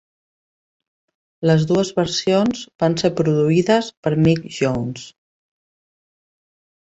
Les dues versions van ser produïdes per Mick Jones.